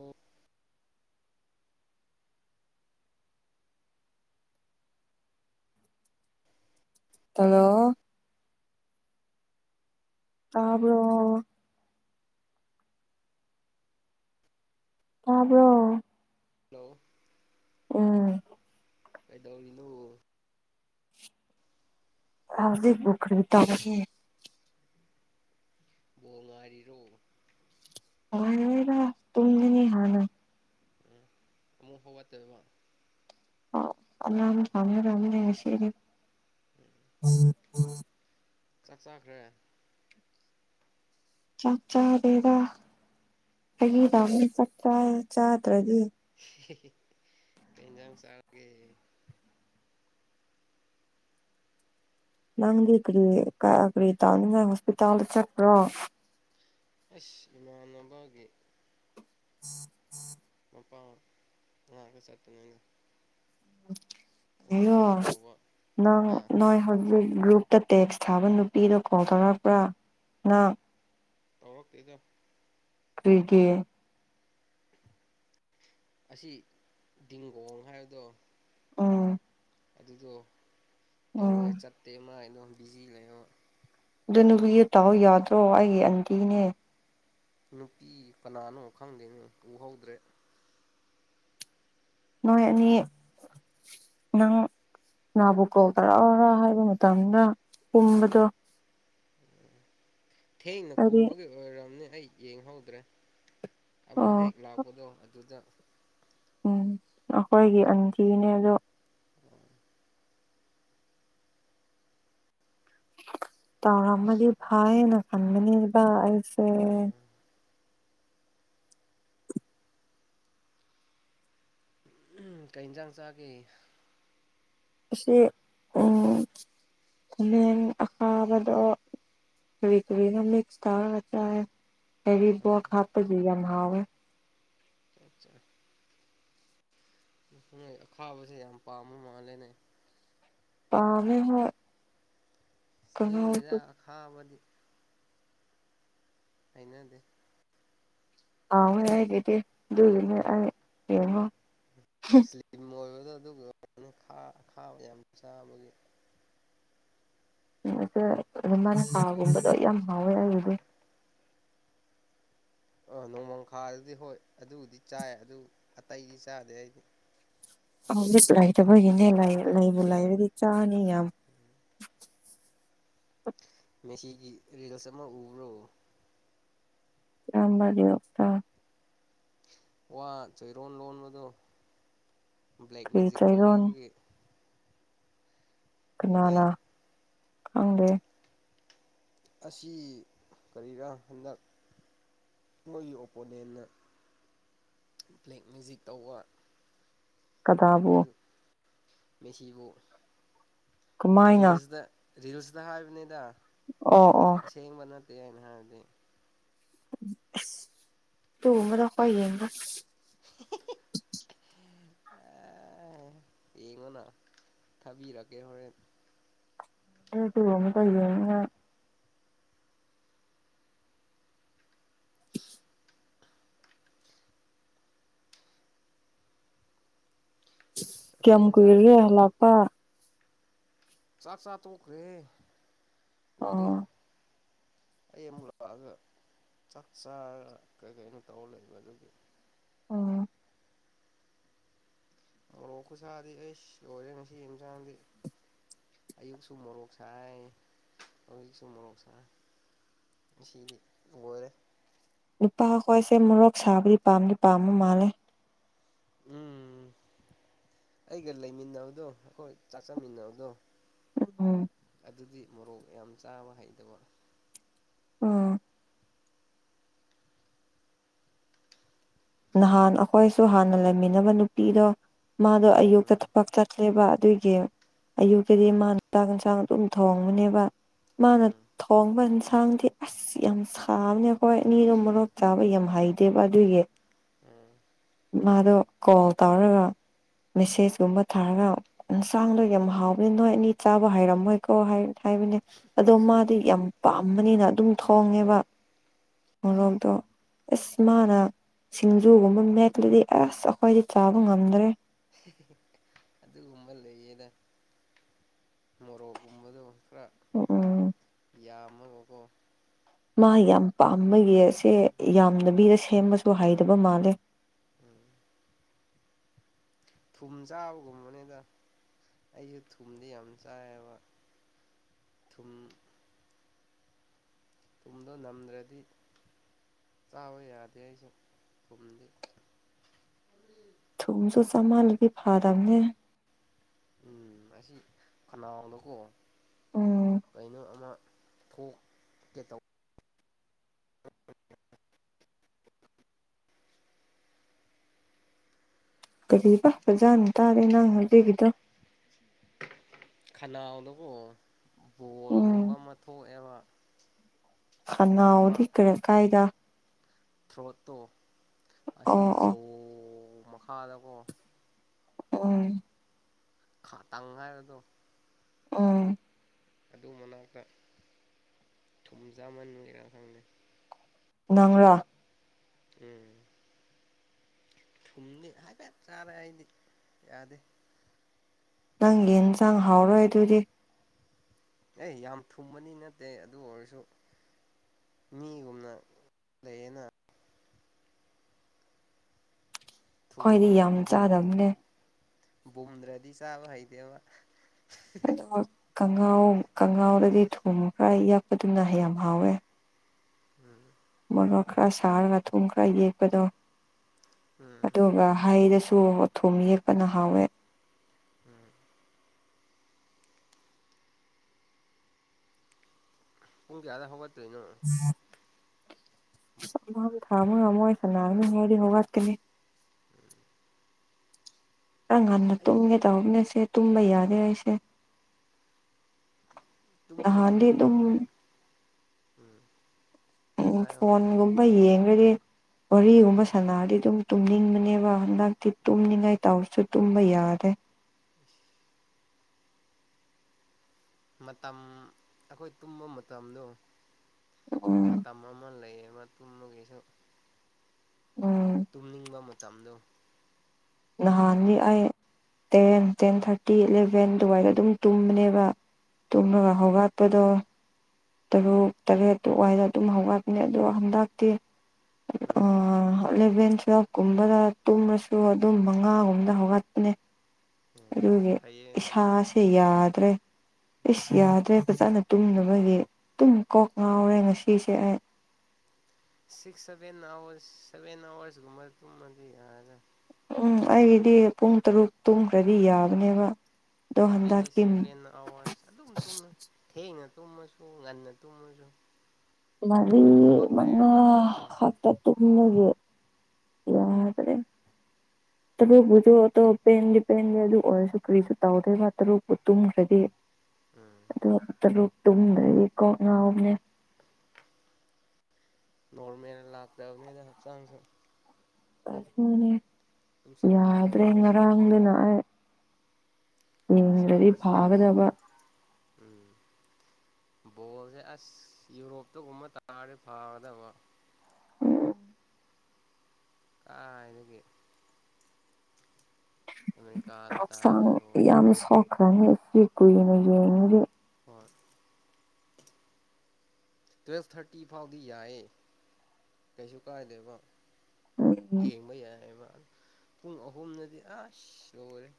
ꯑꯣ ꯇꯜꯂꯣ ꯇꯥꯕꯔꯣ ꯇꯥꯕ꯭ꯔꯣ ꯍꯜꯂꯣ ꯎꯝ ꯀꯩꯗꯧꯔꯤꯅꯣ ꯑꯗꯤ ꯄꯨꯈꯔ꯭ꯤ ꯇꯧꯕꯒꯤ ꯕꯣꯉꯥꯏꯔꯤꯔꯣ ꯑꯣꯔꯦꯒ ꯎꯝ ꯑꯃꯨꯛ ꯍꯧꯒꯠꯇꯣꯏꯕ ꯑꯣ ꯑꯅꯥꯟꯕ ꯄꯥꯝꯒꯗꯕꯅꯦ ꯉꯁꯤꯗꯤ ꯆꯥꯛ ꯆꯥꯈ꯭ꯔꯦ ꯆꯥꯛ ꯆꯥꯗ‌ꯦꯗ ꯍꯥꯏꯕꯤ ꯇꯧꯕꯅꯤ ꯆꯥꯛ ꯆꯥ ꯆꯥꯗ꯭ꯔꯗꯤ ꯀꯩ ꯏꯟꯖꯥꯡ ꯆꯥꯔꯒꯦ ꯅꯪꯗꯤ ꯀꯔꯤ ꯀꯔꯤ ꯇꯥ ꯅꯪ ꯍꯣꯁꯄꯤꯇꯥꯜꯗ ꯆꯠꯄ꯭ꯔꯣ ꯑꯁ ꯏꯃꯥꯅꯕꯒꯤ [unintelligible] ꯃꯄꯥꯥꯎ ꯀ ꯆꯠꯄꯅꯦ ꯑꯩꯒꯥ ꯍꯦꯉꯣ ꯇꯧꯕ ꯅꯪ ꯍꯥ ꯅꯣꯏ ꯍꯧꯖꯤꯛ ꯒꯔꯨꯞ ꯇ ꯇꯦꯛꯁ ꯊꯥꯕ ꯅꯨꯄꯤꯗꯣ ꯀꯣꯜ ꯇꯧꯔꯛꯄ꯭ꯔꯥ ꯅꯪ ꯇꯧꯔꯛꯇꯦꯗ ꯀꯔꯤꯒꯤ ꯑꯁꯤ ꯗꯤꯡꯒꯣꯡ ꯍꯥꯏꯕꯗꯣ ꯑꯣ ꯑꯗꯨꯗꯣ ꯎꯝ ꯇꯧꯋꯦ ꯆꯠꯇꯦ ꯃꯥꯏꯅꯣ ꯕꯤꯖꯤ ꯂꯩꯌꯣ ꯑꯗꯨ ꯅꯨꯄꯤꯗꯣ ꯇꯥꯎ ꯌꯥꯗ꯭ꯔꯣ ꯑꯩꯒꯤ ꯑꯟꯇꯤꯅꯦ ꯅꯨꯄꯤ ꯀꯅꯥꯅꯣ ꯈꯪꯗꯦꯅꯦ ꯎꯍꯧꯗ꯭ꯔꯦ ꯅꯣꯏ ꯑꯅꯤ ꯅꯪ ꯀꯥꯅꯕꯨ ꯀꯣꯜ ꯇꯧꯔꯛꯑꯣꯔ ꯍꯥꯏꯕ ꯃꯇꯝꯗ ꯄꯨꯝꯕꯗꯣ ꯎꯝ ꯊꯦꯡꯅ ꯍꯥꯏꯗꯤ ꯈꯨꯝꯕꯒꯤ ꯑꯣꯏꯔꯝꯅꯤ ꯑꯩ ꯌꯦꯡꯍꯧꯗ꯭ꯔꯦ ꯑꯃ ꯑꯣ ꯍꯦꯛ ꯂꯥꯛꯄꯗꯣ ꯑꯗꯨꯗ ꯎꯝ ꯑꯩꯈꯣꯏꯒꯤ ꯑꯟꯇꯤꯅꯦ ꯑꯗꯣ ꯑꯣ ꯇꯥꯔꯝꯃꯗꯤ ꯐꯥꯏꯌꯦꯅ ꯈꯟꯕꯅꯦꯕ ꯑꯩꯁ ꯎꯝ ꯀꯩ ꯏꯟꯖꯥꯡ ꯆꯥꯒꯦ ꯑꯁꯤ ꯎꯝ ꯈꯃ‌ꯦꯟ ꯑꯈꯥꯕꯗꯣ ꯀꯔꯤ ꯀꯔꯤꯅꯣ ꯃꯤꯛꯁ ꯇꯧꯔꯒ ꯆꯥꯏꯌꯦ ꯍꯩꯔꯤꯕꯣꯛ ꯍꯥꯞꯄꯒꯤ ꯌꯥꯝ ꯍꯥꯎꯋ‌ꯦ ꯑꯆꯥ ꯑꯈꯨꯅ‌ꯦ ꯑꯈꯥꯕꯁꯦ ꯌꯥꯝ ꯄꯥꯝꯕ ꯃꯥꯜꯂꯦꯅꯦ ꯄꯥꯝꯃꯦ ꯍꯣꯏ ꯆꯥꯅꯤꯡꯗꯦꯗ ꯀꯥꯡꯍꯧꯁꯨ ꯑꯈꯥꯕꯗꯤ ꯍꯩꯅꯗꯦ ꯍꯥꯎꯋ‌ꯦ ꯑꯩꯒꯤꯗꯤ ꯑꯗꯨꯒꯤꯅ‌ꯦ ꯑꯩ ꯌꯦꯡꯉꯣ ꯁ꯭ꯂꯤꯝ ꯑꯣꯏꯕꯗ ꯑꯗꯨ [unintelligible] ꯈꯥ ꯑꯈꯥꯕ ꯌꯥꯝ ꯆꯥꯕꯒꯤ ꯑꯁꯦ ꯑꯗꯨꯃꯥꯏꯅ ꯁꯥꯥꯒꯨꯝꯕꯗꯣ ꯌꯥꯝ ꯍꯥꯎꯋꯦ ꯎꯝ ꯑꯩꯒꯤꯗꯤ ꯑ ꯅꯣꯡꯃꯪꯈꯥꯗꯨꯗꯤ ꯍꯣꯏ ꯑꯗꯨꯕꯨꯗꯤ ꯆꯥꯏ ꯑꯗꯨ ꯑꯇꯩꯗꯤ ꯆꯥꯗꯦ ꯑꯩꯗꯤ ꯑ [unintelligible] ꯂꯩꯇꯕꯒꯤꯅꯦ ꯂꯩ ꯂꯩꯕꯨ ꯂꯩꯔꯗꯤ ꯆꯥꯅꯤ ꯌꯥꯝ [unintelligible] ꯃꯦꯁꯤꯒꯤ ꯔꯤꯜꯁ ꯑꯃ ꯎꯕ꯭ꯔꯣ ꯌꯥꯝꯕꯒꯤ ꯂꯣꯛꯇ ꯋꯥ ꯆꯣꯏꯔꯣꯟ ꯂꯣꯟꯕꯗꯣ ꯕ꯭ꯂꯦꯛ ꯀ꯭ꯔꯤ ꯃꯦꯖꯤꯛ ꯆꯩꯔꯣꯟ ꯇꯧꯕꯤꯕꯒꯤ ꯀꯅꯥꯅ ꯎꯗꯦ ꯈꯪꯗꯦ ꯑꯁꯤ ꯀꯔꯤꯔ ꯍꯟꯗꯛ ꯃꯣꯏꯒꯤ ꯑꯣꯄꯣꯅꯦꯟꯅ ꯕ꯭ꯂꯦꯛ ꯃꯦꯖꯤꯛ ꯇꯧꯕ ꯀꯗꯥꯕꯨ ꯑꯗꯨ ꯃꯦꯁꯤꯕꯨ ꯀꯃꯥꯏꯅ ꯔꯤꯜꯁꯇ ꯔꯤꯜꯁꯇ ꯍꯥꯏꯕꯅꯤꯗ ꯑꯣ ꯑꯣ ꯑꯁꯦꯡꯕ ꯅꯠꯇꯦꯅ ꯍꯥꯏꯔꯗꯤ ꯇꯨꯒꯨꯝꯕꯗꯣ ꯈꯣꯏ ꯌꯦꯡꯂꯣꯏ [unintelligible] ꯑ ꯌꯦꯡꯉꯣꯅ ꯊꯕꯤꯔ ꯀꯩꯅꯣ ꯍꯣꯔꯦꯟ ꯍ [unintelligible] ꯇꯕ ꯑꯃ ꯀꯩꯅꯤ ꯑꯁ ꯑꯩꯈꯣꯏ ꯀꯌꯥꯝ ꯀꯨꯏ ꯌꯦꯟꯁꯥꯡꯁꯦ ꯔꯒꯦ ꯍꯜꯂꯛꯄ ꯆꯥꯛ ꯆꯥ ꯇꯣꯛꯈ꯭ꯔꯦ ꯀꯨꯏꯔꯦ ꯑꯣ ꯑꯩ ꯑꯃꯨꯛ ꯂꯥꯛꯑꯒ ꯆꯥꯛ ꯆꯥꯔ ꯀꯩ ꯀꯩꯅꯣ ꯇꯧꯔ ꯂꯩꯕ ꯑꯗꯨꯒꯤ ꯑꯣ ꯃꯣꯔꯣꯛ ꯈꯨꯁꯥꯗꯤ ꯑꯩꯁ ꯂꯣꯏꯔꯦ ꯉꯁꯤ ꯏꯟꯁꯥꯡꯗꯤ ꯑꯌꯨꯛꯁꯨ ꯃꯣꯔꯣꯛꯁ ꯍꯥꯏ ꯑꯌꯨꯛꯁꯨ ꯃꯣꯔꯣꯛꯁ ꯁꯤꯗꯤ ꯑꯣꯏꯔ ꯅꯨꯄꯥ ꯍꯈꯣꯏꯁꯦ ꯃꯣꯔꯣꯛ ꯁꯥꯕꯗꯤ ꯄꯥꯝꯗ ꯄꯥꯝꯃ ꯃꯥꯜꯂꯦ ꯎꯝ ꯑꯩꯒ ꯂꯩꯃꯤꯟꯅꯕꯗꯣ ꯑꯩꯈꯣꯏ ꯆꯥꯛ ꯆꯃꯤꯟꯅꯕꯗꯣ ꯎꯝ ꯑꯗꯨꯗꯤ ꯃꯣꯔꯣꯛ ꯌꯥꯝ ꯆꯥꯕ ꯍꯩꯇꯕ ꯑꯣ ꯅꯍꯥꯟ ꯑꯩꯈꯣꯏꯁꯨ ꯍꯥꯟꯅ ꯂꯩꯃꯤꯟꯅꯕ ꯅꯨꯄꯤꯗꯣ ꯃꯥꯗꯣ ꯑꯌꯨꯛꯇ ꯎꯝ ꯊꯕꯛ ꯆꯠ ꯆꯦꯕ ꯑꯗꯨꯏꯒꯤ ꯑꯌꯨꯛꯛꯇꯗꯤ ꯎꯝ ꯃꯥꯅ ꯆꯥꯛ ꯌꯦꯟꯁꯥꯡ ꯑꯗꯨꯝ ꯊꯣꯡꯕꯅꯦꯕ ꯃꯥꯅ ꯎꯝ ꯊꯣꯡꯕ ꯌꯦꯟꯁꯥꯡꯗꯤ ꯑꯁ ꯌꯥꯝ ꯁꯥꯕꯅꯦ ꯑꯩꯈꯣꯏ ꯑꯅꯤꯔꯣꯝ ꯃꯔꯣꯔꯣꯛ ꯆꯥꯕ ꯌꯥꯝ ꯍꯩꯇꯦꯕ ꯑꯗꯨꯏꯒꯤ ꯎꯝ ꯃꯥꯗꯣ ꯀꯣꯜ ꯇꯧꯔꯒ ꯃꯦꯁꯦꯖꯀꯨꯝꯕ ꯊꯥꯔꯒ ꯌꯦꯟꯁꯥꯡꯗꯣ ꯌꯥꯝ ꯍꯥꯎꯕꯅꯤ ꯅꯣꯏ ꯑꯅꯤ ꯆꯥꯕ ꯍꯩꯔꯝꯃꯣꯏꯀꯣ ꯍꯥꯏꯕꯅꯦ ꯑꯗꯣ ꯃꯥꯗꯤ ꯌꯥꯝ ꯄꯥꯝꯕꯅꯤꯅ ꯑꯗꯨꯝ ꯊꯣꯡꯉꯦꯕ ꯍꯣꯏ ꯃꯣꯔꯣꯛꯗꯣ ꯏꯁ ꯃꯥꯅ ꯁꯤꯡꯖꯨꯒꯨꯝꯕ ꯃꯦꯠꯂꯗꯤ ꯑꯁ ꯑꯩꯈꯣꯏꯗꯤ ꯆꯥꯕ ꯉꯝꯗ꯭ꯔꯦ ꯑꯗꯨ ꯑꯗꯨꯒꯨꯝꯕ ꯂꯩꯌꯦꯗ ꯃꯣꯔꯣꯛꯒꯨꯝꯕꯗ ꯈꯔ ꯑꯣ ꯑꯣ ꯌꯥꯝ ꯑꯃꯒꯀꯣ ꯃꯥ ꯌꯥꯝ ꯄꯥꯝꯕꯒꯤꯁꯦ ꯌꯥꯝꯗꯕꯤꯗ ꯁꯦꯝꯕꯁꯨ ꯍꯩꯗꯕ ꯃꯥꯜꯂꯦ ꯎꯝ ꯊꯨꯝ ꯆꯥꯕꯒꯨꯝꯕꯅꯤꯗ ꯑꯩꯁꯨ ꯊꯨꯝꯗꯤ ꯌꯥꯝ ꯆꯥꯏꯌꯦꯕ ꯊꯨꯝ ꯊꯨꯝꯗꯣ ꯅꯝꯗ꯭ꯔꯗꯤ ꯆꯥꯕ ꯌꯥꯗꯦ ꯑꯩꯁꯨ ꯊꯨꯝꯗꯤ ꯊꯨꯝꯁꯨ ꯆꯞꯃꯥꯜꯂꯨꯗꯤ ꯐꯥꯗꯕꯅꯦ ꯑꯁꯤ ꯈꯅꯥꯎꯗꯀꯣ ꯎꯝ ꯀꯩꯅꯣ ꯑꯃ ꯊꯣꯛꯒꯦ ꯇꯧꯕ ꯀꯔꯤꯕ ꯕꯖꯥꯅ ꯇꯥꯗꯦ ꯅꯪ ꯍꯧꯖꯤꯛꯒꯤꯗꯣ ꯈꯅꯥꯎꯗꯀꯣ ꯎꯝ ꯕꯣꯜꯒꯨꯝꯕ ꯑꯃ ꯊꯣꯛꯑꯦꯕ ꯑꯃ ꯈꯅꯥꯎꯗꯤ ꯀꯔꯤ ꯀꯥꯏꯗ ꯊ꯭ꯔꯣꯠꯇꯣ ꯑꯁꯤ ꯑꯣ ꯑꯣ ꯖꯣ ꯃꯈꯥꯗꯀꯣ ꯎꯝ ꯈꯥ ꯇꯪ ꯍꯥꯏꯕꯗꯣ ꯎꯝ ꯑꯗꯨ ꯃꯅꯥꯛꯇ ꯊꯨꯝꯖꯥꯃꯟ ꯂꯩꯔ ꯈꯪꯗꯦ ꯅꯪꯔꯥ ꯎꯝ ꯊꯨꯝꯗꯤ ꯍꯥꯏꯐꯦꯠ ꯆꯥꯔꯦ ꯑꯩꯗꯤ ꯌꯥꯗꯦ ꯅꯪꯒꯤ ꯌꯦꯟꯖꯥꯡ ꯍꯥꯎꯔꯣꯏ ꯑꯗꯨꯗꯤ ꯑꯦ ꯌꯥꯝ ꯊꯨꯝꯕꯅꯤ ꯅꯠꯇꯦ ꯑꯗꯨ ꯑꯣꯏꯔꯁꯨ ꯃꯤꯒꯨꯝꯅ ꯂꯩꯌꯦꯅ ꯈ꯭ꯋꯥꯏꯗꯤ ꯊꯨꯝꯗꯣ ꯌꯥꯝ ꯕꯨꯝ ꯆꯥꯗꯕꯅꯦ ꯕꯨꯝꯗ꯭ꯔꯗꯤ ꯆꯥꯕ ꯍꯩꯇꯦꯕ [unintelligible] ꯀꯉꯥꯎ ꯀꯉꯥꯎꯗꯒꯤ ꯊꯨꯝ ꯈꯔ ꯌꯥꯛꯄꯗꯨꯅ ꯍ ꯌꯥꯝ ꯍꯥꯎꯋꯦ ꯎꯝ ꯃꯣꯔꯣꯛ ꯈꯔ ꯁꯥꯔꯒ ꯊꯨꯝ ꯈꯔ ꯌꯦꯛꯄꯗꯣ ꯎꯝ ꯑꯗꯨꯒ ꯍꯩꯗꯁꯨ ꯊꯨꯝ ꯌꯦꯛꯄꯅ ꯍꯥꯎꯋꯦ ꯎꯝ ꯄꯨꯡ ꯀꯌꯥꯗ ꯍꯧꯒꯠꯇꯣꯢꯅꯣ ꯎꯝ ꯑꯃꯝ ꯊꯥ ꯑꯃ ꯉꯝꯃꯣꯢ ꯅꯥꯔꯅꯤꯉꯥꯏꯗꯤ ꯑꯩꯗꯤ ꯍꯧꯒꯠꯀꯅꯤ ꯑ ꯉꯟꯅ ꯑꯩꯗꯤ ꯇꯨꯝꯒꯦ ꯇꯧꯕꯅꯦꯁꯦ ꯇꯨꯝꯕ ꯌꯥꯗꯦ ꯑꯩꯁꯦ ꯇꯨꯝꯕꯒꯤ ꯅꯍꯥꯟꯗꯤ ꯑꯗꯨꯝ ꯃꯇꯝ ꯎꯝ ꯎꯝ ꯍꯥꯏꯌꯣ ꯐꯣꯟꯒꯨꯝꯕ ꯌꯦꯡꯒ꯭ꯔꯗꯤ ꯋꯥꯔꯤꯒꯨꯝꯕ ꯎꯝ ꯁꯥꯟꯅꯔꯗꯤ ꯑꯗꯨꯝ ꯇꯨꯝꯅꯤꯡꯕꯅꯦꯕ ꯍꯟꯗꯛ ꯗꯤ ꯎꯝ ꯇꯨꯝꯅꯤꯡꯉꯥꯏ ꯇꯧꯔꯁꯨ ꯇꯨꯝꯕ ꯌꯥꯗꯦ ꯃꯇꯝ ꯑꯈꯣꯏ ꯇꯨꯝꯕ ꯃꯇꯝꯗꯣ ꯎꯝ ꯃꯇꯝ ꯑꯃ ꯂꯩꯌꯦꯕ ꯇꯨꯝꯕꯒꯤꯁꯨ ꯎꯝ ꯇꯨꯝꯅꯤꯡꯕ ꯃꯇꯝꯗꯨ ꯅꯍꯥꯟꯅꯤ ꯑꯩ ꯇꯦꯟ ꯇꯦꯟ ꯊꯥꯔꯇꯤ ꯏꯂꯚꯦꯟ ꯑꯗꯨꯋꯥꯏꯗ ꯑꯗꯨꯝ ꯇꯨꯝꯕꯅꯦꯕ ꯎꯝ ꯇꯨꯝꯕꯒ ꯍꯧꯒꯠꯄꯗꯣ ꯇꯔꯨꯛ ꯇꯔꯦꯠꯇꯨ ꯋꯥꯏꯗ ꯑꯗꯨꯝ ꯍꯧꯒꯠꯄꯅꯦ ꯑꯗꯣ ꯍꯟꯗꯛꯇꯤ ꯎꯝ ꯑꯦꯂꯦꯚꯦꯟ ꯇꯨꯋꯦꯜꯐꯀꯨꯝꯕꯗ ꯇꯨꯝꯃꯁꯨ ꯑꯗꯨꯝ ꯃꯉꯥꯒꯨꯝꯗ ꯍꯧꯒꯠꯄꯅꯦ ꯎꯝ ꯑꯗꯨꯒꯤ ꯐꯩꯌꯦ ꯑꯗꯨꯅ ꯏꯁꯥꯁꯤ ꯁꯤ ꯌꯥꯗ꯭ꯔꯦ ꯏꯁ ꯌꯥꯗ꯭ꯔꯦ ꯐꯖꯅ ꯇꯨꯝꯗꯕꯒꯤ ꯑꯗꯨꯝ ꯀꯣꯛ ꯉꯥꯎꯔꯦ ꯉꯁꯤꯁꯦ ꯑꯩ six seven hours seven hours ꯒꯨꯝꯕ ꯇꯨꯝꯔꯗꯤ ꯌꯥꯔꯦꯗ ꯎꯝ ꯑꯩꯒꯤꯗꯤ ꯄꯨꯡ ꯇꯔꯨꯛ ꯇꯨꯡꯈ꯭ꯔꯗꯤ ꯌꯥꯕꯅꯦꯕ ꯑꯗꯣ ꯑꯩꯗꯤ ꯍꯟꯗꯛꯇꯤ ꯁꯚꯦꯟ ꯑꯋꯥꯔꯁ ꯑꯗꯨꯝ ꯇꯨꯝꯃꯦ ꯊꯦꯡꯅ ꯇꯨꯝꯃꯁꯨ ꯉꯟꯅ ꯇꯨꯝꯃꯁꯨ ꯃꯔꯤ ꯍꯣꯏ ꯊꯕꯛ ꯃꯉꯥ ꯂꯩꯔꯗꯤ ꯍꯧꯒꯠꯂꯦ ꯈꯛ ꯇꯥ ꯇꯨꯝꯕꯒꯤ ꯌꯥꯗ꯭ꯔꯦ [inaudible] ꯇꯔꯨꯄꯨꯁꯨ ꯄꯦꯟꯗꯤ ꯄꯦꯟꯗꯤ ꯑꯗꯨ ꯑꯣꯏꯔꯁꯨ ꯀꯔꯤꯁꯨ ꯇꯧꯗꯦꯕ ꯇꯔꯨꯛꯄꯨ ꯇꯨꯝꯈ꯭ꯔꯗꯤ [inaudible] ꯑꯗꯨꯒ ꯇꯔꯨꯛ ꯇꯨꯝꯗ꯭ꯔꯗꯤ ꯀꯣꯛ ꯉꯥꯎꯕꯅꯦ ꯅꯣꯔꯃꯦꯜ ꯂꯥꯛꯇꯕꯅꯤꯅ ꯍꯛꯆꯥꯡꯁꯨ ꯃꯥꯅꯦ ꯅꯨꯡꯁꯤꯠ ꯌꯥꯗ꯭ꯔꯦ ꯐꯥꯗ꯭ꯔꯗꯤꯀꯣ ꯉꯔꯥꯡꯗꯅ ꯑꯩ ꯍꯛꯆꯥꯡ ꯌꯦꯡꯗ꯭ꯔꯗꯤ ꯁꯣꯛꯄ ꯐꯥꯒꯗꯕ ꯎꯝ ꯕꯣꯜꯁꯦ ꯑꯁ ꯌꯨꯔꯣꯞꯇꯒꯨꯝꯕ ꯇꯥꯔꯗꯤ ꯐꯒꯗꯕ ꯎꯝ ꯑ ꯏ ꯀ ꯀꯥꯗ ꯇꯥꯗ ꯂ ꯈꯪꯉ ꯑꯁꯤ ꯀꯨꯏꯅ ꯌꯦꯡꯉꯦ ꯍꯣꯏ ꯇꯨꯋꯦꯜꯐ ꯊꯥꯔꯇꯤ ꯐꯥꯎꯗꯤ ꯌꯥꯌꯦ ꯀꯩꯁꯨ ꯀꯥꯏꯗꯣꯏꯕ ꯎꯝ ꯌꯦꯡꯕ ꯌꯥꯏꯕ ꯄꯨꯡ ꯑꯍꯨꯝꯅꯗꯤ ꯑꯁ ꯂꯔꯦ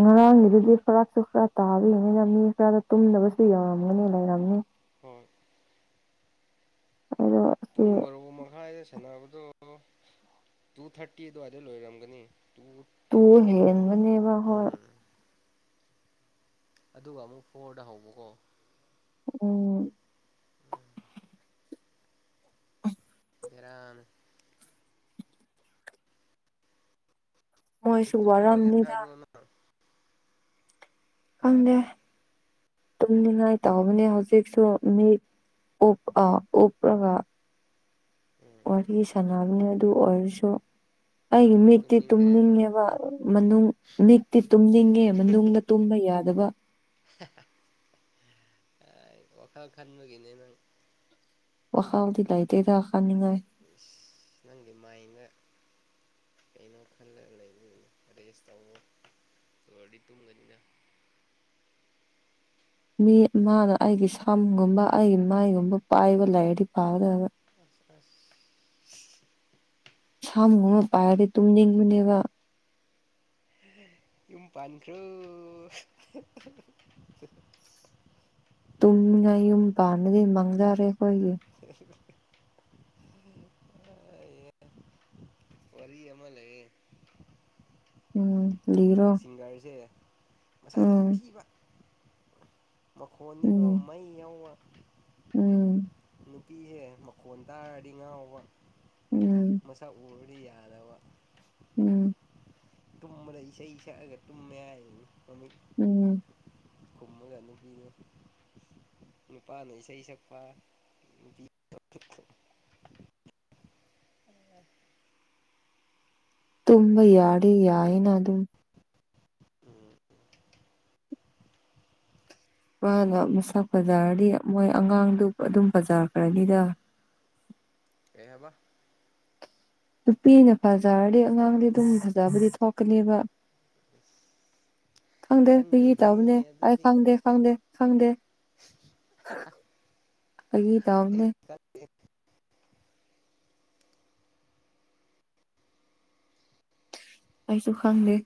ꯉꯔꯥꯡꯒꯤꯗꯨꯗꯤ ꯐꯔꯥꯛꯁꯨ ꯈꯔ ꯇꯥꯕꯤꯕꯅꯤꯅ ꯃꯤ ꯈꯔꯗ ꯇꯨꯝꯗꯕꯁꯨ ꯌꯧꯔꯝꯒꯅꯤ ꯂꯩꯔꯝꯅꯤ ꯍꯣꯏ ꯑ ꯄꯨꯡ ꯃꯔꯔꯣ ꯃꯈꯥꯏꯗ ꯁꯥꯟꯅꯕꯗꯣ ꯇꯨ ꯊꯥꯔꯇꯤ ꯑꯗꯨꯋꯥꯏꯗ ꯂꯣꯏꯔꯝꯒꯅꯤ ꯇꯨ ꯇꯨ ꯐꯤꯐꯇꯤꯟ ꯍꯦꯟꯕꯅꯦꯕ ꯍꯣꯏ ꯑꯥ ꯑꯗꯨꯒ ꯑꯃꯨꯛ ꯐꯣꯔꯗ ꯍꯧꯕꯀꯣ ꯎꯝ ꯎꯝ ꯎ ꯔꯥꯡ ꯃꯣꯏꯁꯨ ꯇꯨꯝꯈ꯭ꯔꯒꯦ ꯋꯥꯔꯝꯅꯤꯗ ꯍꯥꯏꯕ꯭ꯔꯣꯅ ꯐꯪꯗꯦ ꯇꯨꯝꯅꯤꯡꯉꯥꯏ ꯇꯧꯕꯅꯦ ꯍꯧꯖꯤꯛꯁꯨ ꯃꯤ ꯎꯞꯂꯒ ꯎꯝ ꯋꯥꯔꯤ ꯁꯥꯟꯃꯤ ꯑꯗꯨ ꯑꯣꯏꯔꯁꯨ ꯑꯩꯒꯤ ꯃꯤꯠꯇꯤ ꯇꯨꯝꯅꯤꯡꯗꯦ ꯇꯨꯝꯅꯤꯡꯉꯦꯕ ꯃꯅꯨꯡ ꯃꯤꯛꯇꯤ ꯇꯨꯝꯅꯤꯡꯉꯦ ꯃꯅꯨꯡꯗ ꯇꯨꯝꯕ ꯌꯥꯗꯕ ꯑꯣꯈ ꯈ ꯃꯨꯒꯦꯅꯦ ꯅꯪ ꯑꯣꯈꯥꯗꯤꯤ ꯂꯥꯏꯇꯗꯛꯥꯅꯤꯉꯦ ꯅꯪꯒꯤ ꯃꯥꯏꯅ ꯀꯩꯅꯣ ꯈꯜꯂꯒ ꯂꯩꯕ ꯔꯦꯁ ꯇꯧꯉꯣ ꯇꯨꯝꯒꯅꯤꯅ ꯃꯤ ꯃꯥꯅ ꯑꯩꯒꯤ ꯁꯝꯒꯨꯝꯕ ꯑꯩꯒꯤ ꯃꯥꯏꯒꯨꯝꯕ ꯄꯥꯏꯕ ꯂꯥꯏꯔꯤꯛꯗꯤ ꯐꯥꯒꯗꯕ ꯑ ꯁꯥ ꯑꯃ ꯄꯥꯏꯔꯗꯤ ꯇꯨꯝꯅꯤꯡꯕꯅꯦꯕ ꯌꯨꯝ ꯄꯥꯟꯈ꯭ꯔꯨ ꯇꯨꯝꯉꯥꯏ ꯌꯨꯝ ꯄꯥꯟꯅꯗꯤ ꯃꯪꯖꯔꯦ ꯑꯩꯈꯣꯏꯒꯤ [unintelligible] ꯋꯥꯔꯤ ꯑꯃ ꯂꯩꯌꯦ ꯎꯝ ꯂꯩꯔꯣ ꯁꯤꯡꯒꯔꯁꯦ ꯃꯁꯥ ꯌꯥꯝ ꯊꯤꯕ ꯃꯈꯣꯟꯅꯤꯒꯣ ꯎꯝ ꯃꯩ ꯌꯥꯎꯕ ꯎꯝ ꯅꯨꯅꯥꯄꯤꯍꯦ ꯃꯈꯣꯟ ꯇꯥꯔꯗꯤ ꯉꯥꯎꯕ ꯎꯝ ꯃꯁꯛ ꯎꯔꯗꯤ ꯌꯥꯗꯕ ꯎꯝ ꯇꯨꯝꯕꯗ ꯏꯁꯩ ꯁꯛꯑꯒ ꯇꯨꯝꯃꯦ ꯍꯥꯏꯅꯤꯃꯤ ꯎꯝ ꯈꯨꯝꯃꯒ ꯅꯨꯄꯤꯗꯣ ꯅꯨꯄꯥꯅ ꯏꯁꯩ ꯁꯛꯄ ꯅꯨꯄꯤ ꯇꯨꯝꯝꯕ ꯌꯥꯗ ꯌꯥꯏꯅ ꯑꯗꯨ ꯎꯝ ꯃꯥꯅ ꯃꯁꯛ ꯕꯖꯥꯔꯗꯤ ꯃꯣꯏ ꯑꯉꯥꯡꯗꯨ ꯑꯗꯨꯝ ꯕꯖꯥꯔ ꯈꯔꯅꯤꯗ ꯑꯦꯍꯕ ꯅꯨꯄꯤꯅ ꯐꯖꯔꯗꯤ ꯑꯉꯥꯡꯗꯤ ꯑꯗꯨꯝ ꯐꯖꯕꯨꯗꯤ ꯊꯣꯛꯀꯅꯦꯕ ꯐꯪꯗꯦ ꯃꯤ ꯈꯪꯗꯦꯍꯦ ꯇꯧꯕꯅꯦ ꯑꯩ ꯑꯗꯨꯗꯤ ꯈꯪꯗꯦ ꯐꯪꯗꯦ ꯐꯪꯗꯦ ꯑꯩꯒꯤ ꯑꯩ ꯇꯎꯝꯅꯦ ꯈꯪꯗꯦ ꯑꯩꯁꯨ ꯈꯪꯗꯦ